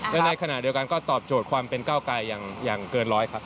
และในขณะเดียวกันก็ตอบโจทย์ความเป็นก้าวไกลอย่างเกินร้อยครับ